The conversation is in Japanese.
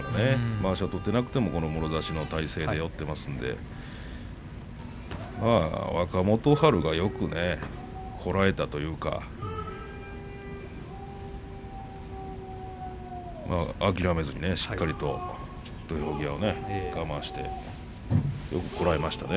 まわしを取っていなくてももろ差しの体勢で寄っていますから若元春が、よくこらえたというか諦めずにしっかりと土俵際我慢してよくこらえましたね。